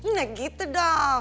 nah gitu dong